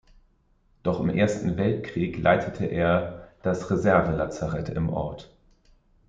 Doch im Ersten Weltkrieg leitete er das Reservelazarett im Ort.